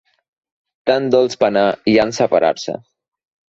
Tan dolç penar hi ha en separar-se